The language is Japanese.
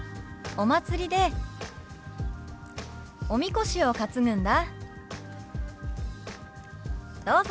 「お祭りでおみこしを担ぐんだ」。